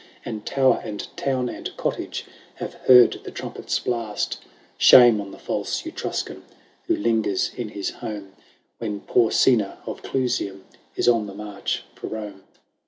And tower and town and cottage Have heard the trumpet's blast. Shame on the false Etruscan Who lingers in his home, When Porsena of Clusium Is on the march for Rome.